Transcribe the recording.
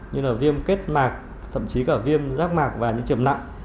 như là viêm kết mạc thậm chí cả viêm rác mạc và những trường nặng